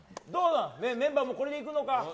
メンバーもこれでいくのか？